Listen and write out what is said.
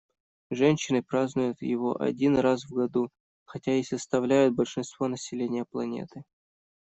Женщины празднуют его один раз в году, хотя и составляют большинство населения планеты.